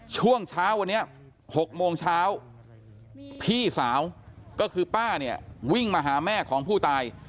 ช่วงเช้าวันนี้๖โมงเช้าพี่สาวก็คือป้าเนี่ยวิ่งมาหาแม่ของผู้ตาย